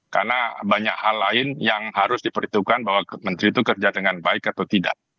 karena banyak hal lain yang harus diperhitungkan bahwa menteri itu kerja dengan baik atau tidak